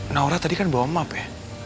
naura tadi kan bawa map ya